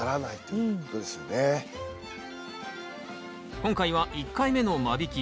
今回は１回目の間引き。